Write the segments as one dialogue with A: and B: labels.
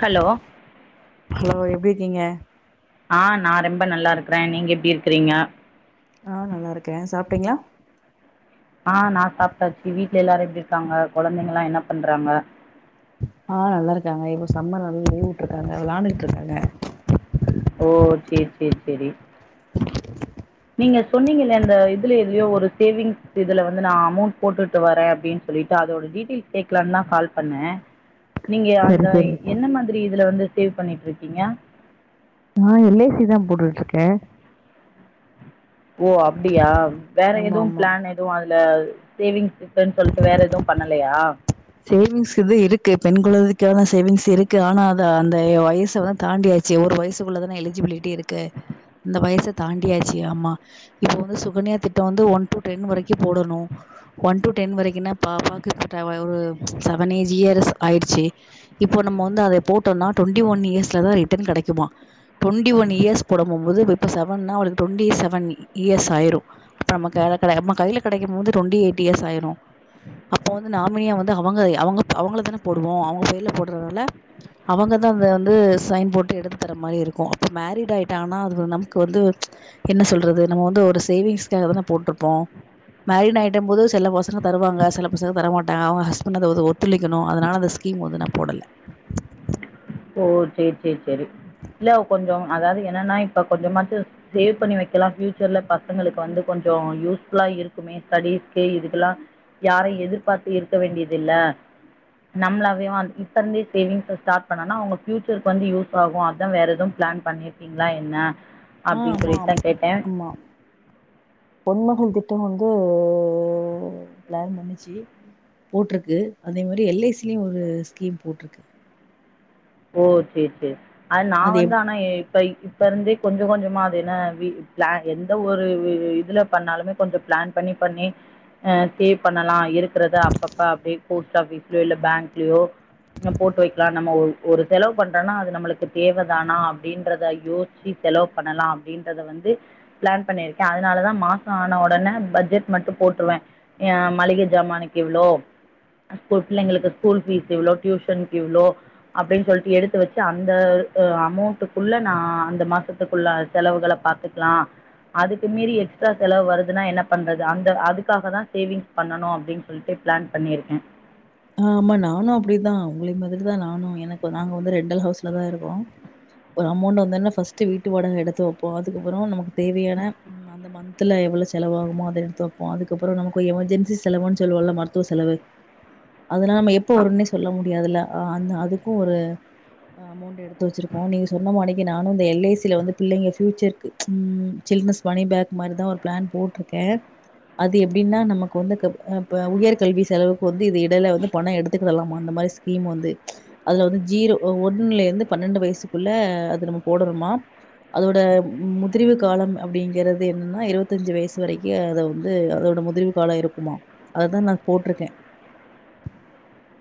A: hello
B: hello எப்டி இருக்கீங்க
A: ஆ நா ரொம்ப நல்லா இருக்கறே நீங்க எப்படி இருக்குறீங்க
B: ஆ நல்லா இருக்கே சாப்டீங்ளா
A: ஆ நா சாப்டாச்சு வீட்ல எல்லாரு எப்டி இருக்காங்க கொழந்தைங்கல்லா என்ன பண்றாங்க
B: ஆ நல்லாருக்காங்க இப்போ சம்மர் ராலா லீவ்வுட்ருக்காங்க விளாண்டுட் இருக்காங்க
A: ஓ சேர் சேர் சேரி நீங்க சொன்னீங்கல்ல இந்த இதுல எதுலையோ ஒரு சேவிங்ஸ் இதுல வந்து நா அமௌண்ட் போட்டுட்டு வரேன் அப்டின் சொல்லி அதோட டீட்டெயில்ஸ் கேட்கலான்தா கால் பண்ணே நீங்க
B: சரி
A: அந்த
B: சரி
A: என்ன மாதிரி இதுல வந்து சேவ் பண்ணிட் இருக்கீங்க
B: நா எல் ஐ சி தா போட்டுட்ருக்கே
A: ஓ அப்டியா வேற
B: ஆமா
A: எதுவு
B: ஆமா
A: பிளானு எதுவு அதுல சேவிங்ஸ் இருக்குன்னு சொல்லிட்டு வேற எதுவு பண்ணலையா
B: சேவிங்ஸ் இது இருக்கு பெண் குழந்தைக்கான சேவிங்ஸ் இருக்கு ஆனா அத அந்த வயசல தாண்டிய சே ஒரு வயசுக்குள்ள தான எலிஜிபிலிட்டி இருக்கு அந்த வயசு தாண்டியாச்சு ஆமா இப்ப வந்து சுகன்யா திட்டோ வந்து ஒன் டு டென் வரைக்கு போடணு ஒன் டு டென் வரைக்குனா பாபாக்கு ஒரு செவன் ஏஜ் இயர்ஸ் ஆயிடுச்சு இப்போ நம்ம வந்து அத போட்டோனா டுவெண்டி ஒன் இயர்ஸ்லதா ரிட்டன் கெடைக்குமா டொண்டி ஒன் இயர்ஸ் போட போம்போது இப்ப இப்ப செவன் னா அவளுக் டொண்டி செவன்டி இயர்ஸ் ஆயிரு நம்ம கடைல கெடைக்கம்மா கைல கெடைக்கு போது டுவெண்டி எயிட் இயர்ஸ் ஆயிரும் அப்ப வந்து நாமினியா வந் த அவங்க அவங்க அவங்கள தானே போடுவோ அவங்க பெயர்ல போடுறனால அவங்கதா அந்த வந்து சைன் போட்டு எடுத்து தரற மாரி இருக்கோ அப்ப மேரிட் ஆகிட்டா ஆனா அது நமக்கு வந்து என்ன சொல்றது நம்ம வந்து ஒரு சேவிங்ஸ்காக தான போட்ருப்போ மேரிட் ஆயிட்டபோது சில பசங்க தருவாங்க சில பசங்க தரமாட்டாங்க அவங்க ஹஸ்ப் பன்னது வது ஒத்துழைக்கணு அதனால அந்த ஸ்கீம் நா போடல
A: ஓ சேரி சேரி சேரி இல்ல கொஞ்சோ அதாது என்னன்னா இப்ப கொஞ்சமாச்சு சேவ் பண்ணி வைக்கலா ஃபியூச்சர்ல பசங்களுக்கு வந்து கொஞ்சோ யூஸ்ஃபுல்லா இருக்குமே ஸ்டடிஸ்கு இதுக்கெல்லா யாரையு எதிர்பாத்து இருக்க வேண்டியதில்ல நம்மளாவே வந் இப்ப இருந்தே சேவிங்ஸ்ஸ ஸ்டாட் பனனா அவங்க பியூச்சர்க்கு வந்து யூஸ் ஆகு அதா வேற எதுவு பிளான் பண்ணிர்க்கீங்ளா என்ன
B: ஆ
A: அப்டின்
B: ஆமா
A: சொல்லிட்தா கேட்டே
B: ஆமா பொன்மகள் திட்டம் வந்து பிளான் பண்ணிச்சு போட்ருக்கு அதே மாரி எல் ஐ சி லியு ஒரு ஸ்கீம் போட்ருக்கு
A: ஓ சேர் சேரி அது நா வந்து ஆனா இப்ப இப்ப இருந்தே கொஞ்சோ கொஞ்சமா அது என்ன வி பிளான் எந்த ஒரு இதுல பண்ணாலுமே கொஞ்சோ பிளான் பண்ணி பண்ணி அ பே பண்ணலாய் இருக்கறத அப்பப்ப அப்டியே போஸ்ட் ஆபீஸ்லே இல்ல பேங்க்லியோ போட்டு வைக்கலா நம்ம ஒரு ஒரு செலவு பண்றன்னா அது நம்ளுக்கு தேவதானா அப்டின்றத யோசிச்சு செலவு பண்ணலா அப்டின்றத வந்து பிளான் பண்ணிருக்கே அதனால தா மாசோ ஆன உடனே பட்ஜெட் மட்டு போட்ருவே எ மளிக ஜமானுக்கிவ்ளோ இப்போ பிள்ளைங்களுக்கு ஸ்கூல் பீஸ் இவ்ளோ டியூஷன்கு இவ்ளோ அப்டின் சொல்லிட்டு எடுத்து வச்சு அந்த த அமௌண்ட்டுக்குள்ள நா அந்த மாசத்துக்குள்ள செலவுகள பாத்து லா அதுக்கு மீறி எக்ஸ்ட்ரா செலவு வருதுன்னா என்ன பண்றது அந்த அதுக்காக தா சேவிங்ஸ் பண்ணனு அப்டின் சொல்ட்டு பிளான் பண்ணியிருக்கே
B: ஆ ஆமா நானு அப்டிதா உங்கிளி மாதிரி தா நானு எனக்கு நாங்க வந்து ரெண்டல் ஹவுஸ்ல தா இருக்கோ ஒரு அமௌண்ட் வந்தொன ஃபஸ்ட் வீட்டு வாடக எடுத்து வைப்போ அதுக்கப்புற நமக்கு தேவையான அந்த மந்த் த்துல எவ்வள செலவாகுமோ அத எடுத்துவைப்போ அதுக்கப்பற நமக் ஒரு எமர்ஜென்சி செலவுன்னு சொல்லுவோல்ல மருத்துவ செலவு அதெல்ல நம்ம
A: ஆ
B: எப்ப வருன்னே சொல்ல முடியாதுல அ அந்த அதுக்கு ஒரு அமௌண்ட் எடுத் எடுத்து வச்சிருக்கோம் நீங்க சொன்ன மாடிக்கு நானும் எல் ஐ சில வந்து பிள்ளைங்க பியூச்சர்க்கு சில்னஸ் மணி பேக் மாதிரிதா ஒரு பிளான் போட்டிருக்கேன் அது எப்படின்னா நமக்கு வந்து க இப்ப உயர்கல்வி செலவுக்கு வந்து இது இடையல வந்து பணம் எடுத்துக்கிடலாம் அந்த மாதிரி ஸ்கீம் வந்து அதுல வந்து ஜீரோ ஒண்ணுல இருந்து பன்னெண்டு வயசுக்குள்ள அது நம்ம போடனு மா அதோட முதிர்வு காலம் அப்படிங்கறது என்னன்னா இருபத்தஞ்சு வயசு வரைக்கும் அதை வந்து அதோட முதிர்வு கால இருக்குமா அததா நா போட்டிருக்கேன்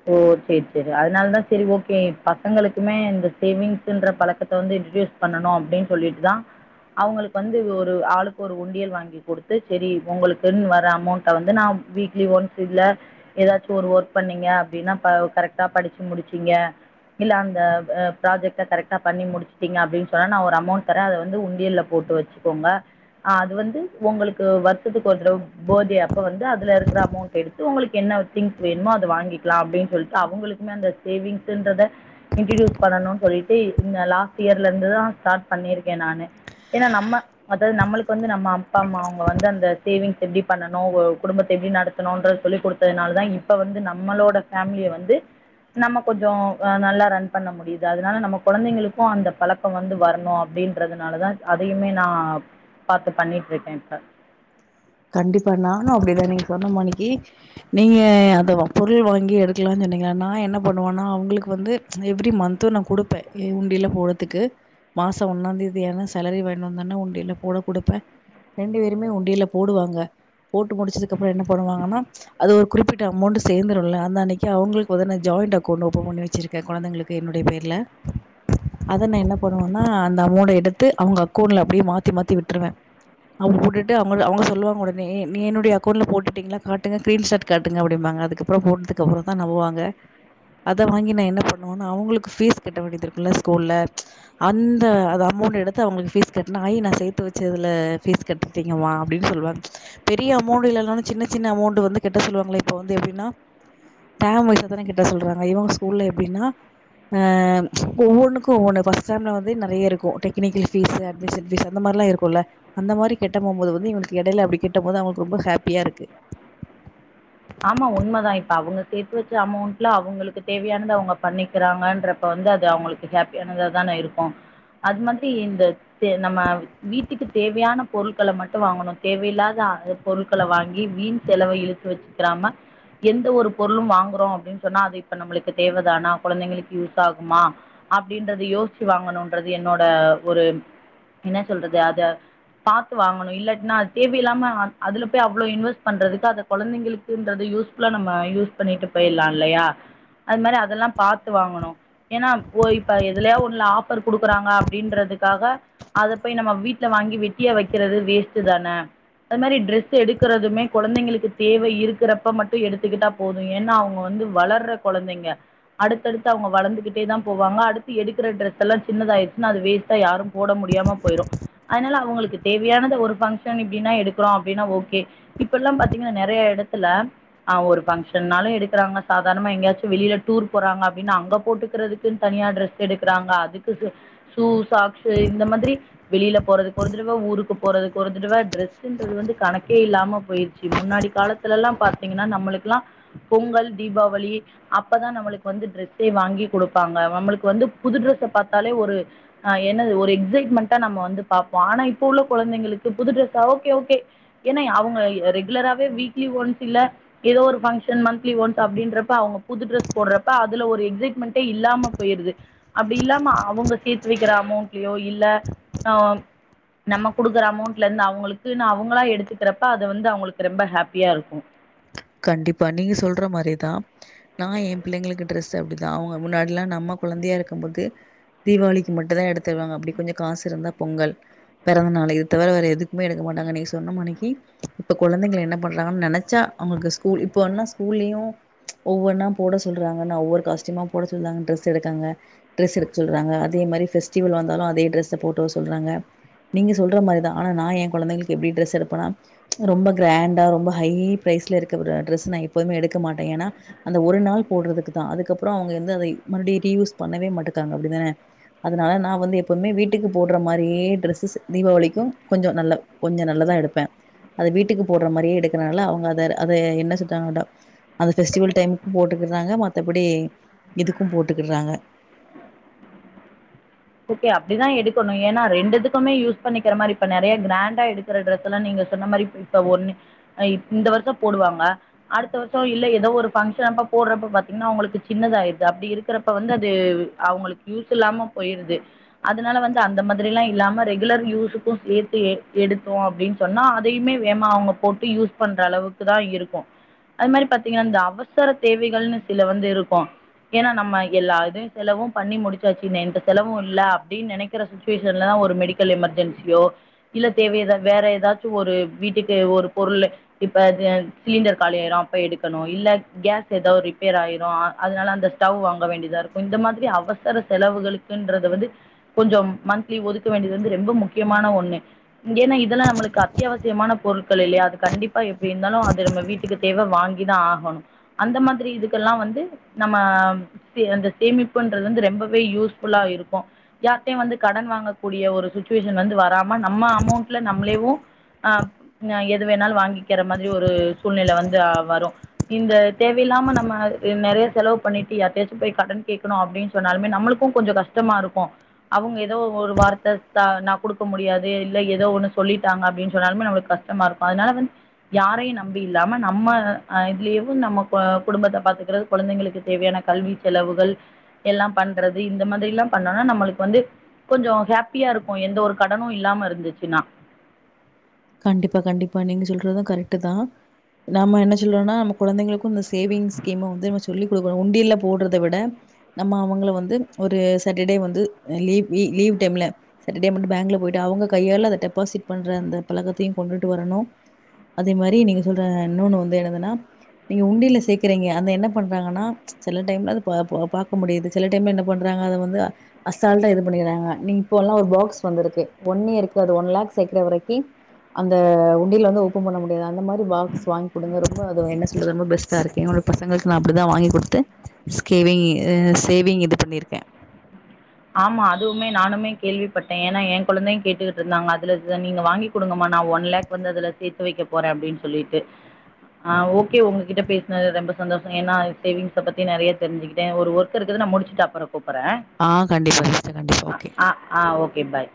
A: ஓ சேரி சேரி அதனால தான் சேரி ஓகே பசங்களுக்குமே இந்த சேவிங்ஸ்ன்ற பழக்கத்த வந்து இன்டிடியூஸ் பண்ணணும் அப்படின்னு சொல்லிட்டு தான் அவங்களுக்கு வந்து ஒரு ஆளுக்கு ஒரு உண்டியல் வாங்கி கொடுத்து செரி உங்களுக்குன்னு வர அமௌண்ட வந்து நா வீக்லி ஒன்ஸ் இதுல ஏதாச்சும் ஒரு ஒர்க் பண்ணீங்க அப்படின்னா ப கரெக்டா படிச்சு முடிச்சீங்க இல்லை அந்த ப ப்ராஜெக்ட் கரெக்டா பண்ணி முடிச்சுட்டிங்க அப்படின்னு சொன்னா நான் ஒரு அமௌண்ட் தரன் அத வந்து உண்டியல்ல போட்டு வச்சு ங்கோங்க அது வந்து உங்களுக்கு வருஷத்துக்கு ஒரு தடவ பர்த்டே அப்ப வந்து அதுல இருக்கிற அமௌண்ட் எடுத்து உங்களுக்கு என்ன திங்ஸ் வேணுமோ அத வாங்கிக்கலாம் அப்படின்னு சொல்லிட்டு அவங்களுக்குமே அந்த சேவிங்ஸ்ன்றத இன்டியூஸ் பண்ணணும சொல்லிட்டு இந்த லாஸ்ட் இயர்ல இருந்துான் ஸ்டார்ட் பண்ணிருக்கேன் நானு ஏன்னா நம்ம அதாவ்து நம்மளுக்கு வந்து நம்ம அப்பா அம்மாவுங்க வந்து அந்த சேவிங்ஸ் எப்படி பண்ணணும் குடும்பத்தை எப்படி நடத் ணுன்ற சொல்லி கொடுத்ததுனால தான் இப்ப வந்து நம்மளோட ஃபேமிலிய வந்து நம்ம கொஞ்சம் அ நல்லா ரன் பண்ண முடியுது அதனால நம்ம கொழந்தைங்களுக்கும் அந்த பழக் கம் வந்து வரணும் அப்படின்றதுனால தான் அதையுமே நான் பாத்து பண்ணிட்டு இருக்கேன் இப்ப
B: கண்டிப்பா நானும் அப்படிதான் நீங்க சொன்ன மாணிக்கு நீங்க அத பொருள் வாங்கி எடுக்கலாம்னு சொன்னீங்களா நா என்ன பண்ணுவேனா அவுங்களுக்கு வந்து எவ்ரி மந்த்து நா கொடுப்பேன் எ உண்டியல போடதுக்கு மாசம் ஒன்னா தேதியான சேலரி வாங்கி வந்தானா உண்டியல போட குடுப்பேன் ரெண்டு பேருமே உண்டியல போடுவாங்க போட்டு முடிச்சதுக்கு அப்புறம் என்ன பண்ணுவாங்கன்னா அது ஒரு குறிப்பிட்ட அமௌண்ட் சேர்ந்தரும் இல்ல அந்த அன்னைக்கு அவுங்களுக்கு வந்து ஜாயிண்ட் அக்கவுண்ட் ஓபன் பண்ண வச்சிருக் கே கொழந்தைங்களுக்கு என்னுடைய பேர்ல அத நா என்ன பண்ணுவேன்னா அந்த அமௌண்டை எடுத்து அவுங்க அக்கௌண்ட்ல அப்படியே மாத்தி மாத்தி விட்டுருவேன் அவுங்க போட்டுட்டு அவுங்கள் அவுங்க சொல்லுவாங்க உடனே நீ என்னுடைய அக்கவுண்ட்ல போட்டுட்டீங்களா காட்டுங்க கிரீன்ஷாட் காட்டுங்க அப்படிங்க அதுக்கு அப் அப்புறம் போனதுக்கு அப்புறம் தா நம்புவாங்க அத வாங்கி நா என்ன பண்ணுவேன்னா அவுங்களுக்கு ஃபீஸ் கட்ட வேண்டியது இருக்கும் இல்ல ஸ்கூல்ல அந்த அது அமௌண்ட் எடுத்து அவங்களுக்கு ஃபீஸ் கட்டின ஆய் நான் சேத்து வச்சதுல ஃபீஸ் கட்டிடீங் கமா அப்படின்னு சொல்லுவாங்க பெரிய அமௌண்ட் இல்லன்னும் சின்ன சின்ன அமௌண்ட் வந்து கட்ட சொல்லுவாங்கள இப்ப வந்து எப்படின்னா டேர்ம் வயுசா தான கட்ட சொல்றாங்க இவுங்க ஸுகூல்ல எப்படின்னா ஆ ஒவ்வொன்னுக்கு ஒவ்வொன்னு ஃபர்ஸ்ட் டைம்ல வந்து நிறைய இருக்கும் டெக்னிக்கில் ஃபீஸ்சு அது டியூஷன் ஃபீஸ் அந்த மாரி எல்லா இருக்கும்ல்ல அந்த மாரி கெ ட்டப் போகும்போது வந்து இடையில அப்டி கெட்ட போது அவுங்களுக்கு ரொம்ப ஹாப்பியா இருக்கு
A: ஆமா உண்மதான் இப்ப அவங்க சேர்த்து வச்ச அமௌண்ட்ல அவங்களுக்கு தேவையானதுை அவங்க பண்ணிக்கிறாங்கன்றப்ப வந்து அது அவங்களுக் ஹாப்பியானத தான இருக்கும் அது மாதிரி இந்த தே நம்ம வீட்டுக்கு தேவையான பொருள்கள மட்டும் வாங்கணும் தேவையில்லாத [unintelligible] பொருள்கள வாங்கி வீண் செலவ இழுத்து வச்சுக்கிறாம எந்த ஒரு பொருளும் வாங்குறோம் அப்படின்னு சொன்னா அது இப்ப நம்மளுக்கு தேவதானா குழந்தைங்களுக்கு யூஸ் ஆகுமா அப்படின்றது யோசிச்சு வாங்கணும்ன்றது என்னோட ஒரு என்ன சொல்றது அத பாத்து வாங்கணு இல்லாட்னா அது தேவ இல்லாம அதுல போய் அவ்வளவு இன்வெஸ்ட் பண்றதுக்கு அந்த கொழந்திங்ளுக் குன்றது யூஸ் ஃபுல்லா நம்ம யூஸ் பண்ணிட்டு போயில்லா இல்லையா அது மாரி அதெல்லா பாத்து வாங்கணு ஏனா ஓ இப்ப எதலையாது ஒண்ணுல ஆஃபர் குடுக்குறாங்க அப்டின்றதுக்காக அத போய் நம்ம வீட்ல வாங்கி வெட்டிய வெக்கிறது வேஸ்ட்டு தான அந்த மாரி ட்ரெஸ் எடுக்கறதுமே கொழந்திங்களுக்கு தேவ இருக்கு இருக்கிறப்ப மட்டு எடுத்துக்கிட்டா போது ஏனா அவுங்க வந்து வளர்ற கொழந்திங்க அடுத்தடுத்து அவங்க வளர்ந்துகிட்டே தா போவாங்க அடுத்து எடுக்கிற டிரெஸ் எல்லா சின்னதாயிச்சினா அது வேஸ்ட்டா யாரும் போட முடியாம போயிரும் அதனால அவங்களுக்கு தேவையானத ஒரு பங்க்ஷன் இப்டின்னா எடுக்கறோ அப்டின்னா ஓகே இப்பல்லா பாத்தீங்கன்னா நெறைய எடத்துல ஆ ஒரு பங்க்ஷன்னாலு எடுக்கறாங்க சாதாரணமா எங்கயாச்சியு வெளில டூர் போறாங்க அப்டின்னா அங்க போட்டுக்கிறது தனியா ட்ரெஸ் எடுக்கறாங்க அதுக்கு சூ சாக்ஸ்ஸு இந்த மாதிரி வெளில போறதுக்கு ஒரு தடவ ஊருக்கு போறதுக்கு ஒரு தடவ டிரெஸ்ன்றது வந்து கணக்கே இல்லாம போயிருச்சி முன்னாடி காலத் துலலெல்லா பாத்தீங்கனா நம்மளுக்கெல்லா பொங்கல் தீபாவளி அப்பதா நம்மளுக்கு வந்து ட்ரெஸ்சே வாங்கி குடுப்பாங்க நம்மளுக்கு வந்து புது ட்ரெஸ்ஸா பாத்தாலே ஒரு ஆ என்னது ஒரு எக்ஸைட்மெண்ட்டா நம்ம வந்து பாப்போ ஆனா இப்ப உள்ள கொழந்தைங்களுக்கு புது ட்ரெஸ்ஸா ஓகே ஓகே ஏனாய் அவுங்க ரெகுலராவே வீக்லி ஒன்ஸ் இல்ல ஏதோ ஒரு ஃங்ஷன் மந்த்லி ஒன்ஸ் அப்டின்றப்ப அவுங்க புது டிரெஸ் போடுறப்ப அதுல ஒரு எக்சைடமெண்ட்டே இல்லாம போயிருது அப்டி இல்லாமா அவுங்க சேர்த்து வெக்கிற அமௌண்ட்லியோ இல்ல ஆ நம்ம குடுக்குற அமௌண்ட்லந்து அவங்களுக்குன்னு அவங்களா எடுத்துக்கிறப்ப அது வந்து அவங்களுக்கு ரொம்ப ஹாப் பியா இருக்கு
B: கண்டிப்பா நீங்க சொல்ற மாரிதா நா என் பிள்ளைங்களுக்கு டிரெஸ் அப்டிதா அவுங்க முன்னாடில்லா நம்ம குழந்தையா இருக்கம்போது தீபாவளிக்கு மட்டு தா எடுத்து தருவாங்க அப்டி கொஞ்சம் காசு இருந்தா பொங்கல் பெறந்த நாளு இது தவிர வேற எதுக்குமே எடுக்க மாட்டாங்க நீங்க சொன்ன மானிக்கி இப்ப கொழந்தைங்கள என்ன பண்லான்னு நெனைச்சா அவங்களுக்கு ஸ்கூல் இப்ப ன்னு ஸ்கூல்லியு ஒவ்வொன்னா போட சொல்றாங்கன்னா ஒவ்வொரு காஸ்டூயூமா போட சொல்றாங்க டிரெஸ் எடுக்காங்க டிரெஸ் எடுக்க சொல்றாங்க அதே மாரி பெஸ்டிவல் வந்தாலு அதே டிரஸ்ஸ போட்டு வர சொல்றாங்க நீங்க சொல்ற மாரிதா ஆனா நா என் கொழந்தைகளுக்கு எப்டி டிரெஸ் எடுப்பனா ரொம்ப கிராண்டா ரொம்ப ஹை பிரரைஸ்ல இருக்கிறத டரெஸ் நா எப்பவும எடுக்க மாட்டே ஏனா அந்த ஒரு நாள் போட்றதுக்கு தா அதுக்கப்றோ அவங்க வந்து அத மறுபடி ரீயூஸ் பண்ணவே மாட்டக்காங்க அப்டிதான அதனால நா வந்து எப்பவுமே வீட்டுக்கு போட்ற மாரியே ட்ரெஸ்ஸஸ் தீபாவளிக்கு கொஞ்சம் நல்ல கொஞ்சோ நல்லதா எடுப்பே அத வீட்டுக்கு போட்ற மாரியே எடுக்கறனால அவங்க அத அதை என்ன சொல்டாங்கடா அத ஃபெஸ்டிவல்டைமுக்கும் போட்டுக்கிட்றாங்க மத்தபடி இதுக்கும் போட்டுக்கிட்றாங்க
A: ஓகே அப்டிதா எடுக்கணு ஏனா ரெண்டுதுக்குமே யூஸ் பண்ணிக்கிற மாரி இப்ப நெறைய கிராண்டா எடுக்கிற டிரெஸ்ஸல்லா நீங்க சொன்ன மாரி இப்ப ஒண்ணு அ இந்த வர்ஷோ போடுவாங்க அடுத்த வர்ஷோ இல்ல ஏதோ ஒரு பங்ஷன் அப்ப போட்றப்ப பாத்தீங்கானா அவங்களுக்கு சின்னதா ஆய்ட்து அப்டி இருக் இருக்கறப்ப வந்து அது அவங்களுக்கு யூஸ் இல்லாம போயிருது அதனால வந்து அந்த மாதிரில்லா இல்லாம ரெகுலர் யூஸுக்கும் சேர்த்து எடுத்தோம் அப்டின் சொன்னா அதையுமே வேமா அவங்க போட்டு யூஸ் பண்ற அளவுக்கு தா இருக்கு அது மாரி பாத்தீங்கன்னா இந்த அவசர தேவைகள்னு சில வந்து இருக்கு ஏனா நம்ம எல்லா இதையு செலவும் பண்ணி முடிச்சாச்சு [unintelligible] செலவு இல்ல அப்டின் நெனைக்கிற சுச்சுவேஷன்லதா ஒரு மெடிக்கல் எமெர்ஜென்சியோ இல்ல தேவ ஏதாவது வேற ஏதாச்சி ஒரு வீட்டுக்கு ஒரு பொருளு இப்ப அது சிலிண்டர் காலி ஆயிரு அப்ப எடுக்கணு இல்ல கேஸ் ஏதாவது ரிப்பேர் ஆயிரு அதனால அந்த ஸ்டவ் வாங்க வேண்டிதா இருக்கு இந்த மாதிரி அவசர செலவுகளுக்குன்றத வந்து கொஞ்சம் மன்த்லி ஒதுக்க வேண்டியது வந்து ரொம்ப முக்கியமான ஒன்னு ஏனா இதல்லா நம்மளுக்கு அத்தியாவசியமான பொருட்கள் இல்லயா அது கண்டிப்பா எப்டி இருந்தாலு அது நம்ம வீட்டுக்கு தேவ வாங்கிதா ஆகனு அந்த மாதிரி இதுக்கல்லா வந்து நம்ம சே அந்த சேமிப்புன்றது வந்து ரொம்பவே யூஸ் ஃபுல்லா இருக்கு யார்டையு வந்து கடன் வாங்கக்கூடிய ஒரு சுச்சுவேஷன் வந்து வராம நம்ம அமௌண்ட்ல நம்ளேவு ஆ எது வேணாலு வாங்கிக்கிற மாதிரி ஒரு சூழ்நிலை வந்தா வரு இந்த தேவயில்லாம நம்ம நறைய செலவு பண்ணிட்டு யார்ட்டயாச்சு போய் கடன் கேக்கணு அப்டின் சொன்னாலுமே நம்மளு க்கு கொஞ்சொ கஷ்டமாருக்கு அவங்க எதோ ஒரு வார்த்த த நா குடுக்க முடியாது இல்ல எதோ ஒண்ணு சொல்லிட்டாங்க அப்டின் சொன்னாலுமே நம்ளுக்கு கஷ் டமாருக்கு அதனால வந் யாரையு நம்பி இல்லாம நம்ம ஆ இதுலேவு நம்ம க குடும்பத்த பாத்துக்கறது கொழந்தைங்களுக்கு தேவயான கல்வி செலவுகள் எல்லா பண்றது இந்த மாதிரில்லா பண்ணோனா நம்மளுக்கு வந்து கொஞ்சோ ஹாப்பியாருக்கு எந்த ஒரு கடனு இல்லாம இருந்துச்சுன்னா
B: கண்டிப்பா கண்டிப்பா நீங்க சொல்றது ‌கரெக்ட்டு தா நாம என்ன சொல்றோனா நம்ம குழந்தைங்களுக்கு இந்த சேவிங்ஸ் ஸ்கீம வந்து நம்ம சொல்லி குடுக்கணு உண்டியல்ல போட்றத விட நம்ம அவுங்கள வந்து ஒரு சாட்டர்டே வந்து லீவ் லீவ் டைம்ல சாட்டர்டே மட்டு பேங்க்ல போய்ட்டு அவுங்க கையால அத டெபாசிட் பண்ற அந்த பழக்கத்தையு கொண்டுட்டு வரணு அதே மாரி நீங்க சொல்ற இன்னொன்னு வந்து என்னதுன்னா நீங்க உண்டியல்ல சேக்குறீங்க அந்த என்ன பண்றாங்கன்னா சில டைம்ல அது பா பா பாக்க முடிது சில டைம்ல என்ன பண்றாங்க அத வந்து அசால்ட்டா இது பண்ணிறாங்க நீங் இப்போல்லா ஒரு பாக்ஸ் வந்துருக்கு ஒன் இயர்க்கு அது ஒன் லாக் சேக்குற வரைக்கி அந்த உண்டியல்ல வந்து ஓபன் பண்ண முடியாது அந்த மாரி பாக்ஸ் வாய்ன் குடுங்க ரொம்ப அது என்ன சொல்றது ரொம்ப பெஸ்ட்டாருக்கு என்னோட பசங்களுக்கு நா அப்டி தா வாங்கி குடுத்து ஸ்கேவிங் சேவிங் இது பண்ணிருக்கே
A: ஆமா அதுவுமே நானுமே கேள்விப்பட்டே ஏனா எ கொழந்தை கேட்டுகிட்ருந்தாங்க அதுல நீங்க வாங்கி குடுங்கமா நா ஒன் லாக் வந்து அதுல சேத்து வெக்க போறே அப்டின் சொல்லிட்டு ஆ ஓகே உங்ககிட்ட பேசுனது ரொம்ப சந்தோஷோ ஏனா சேவிங்ஸ பத்தி நறைய தெரிஞ்சுகிட்டே ஒரு ஒர் க் இருக்குது நா முடிச்சுட்டு அப்றோ கூப்புறே
B: ஆ கண்டிப்பா சிஸ்டர் கண்டிப்பா ஓகே
A: அ ஆ ஓகே பாய்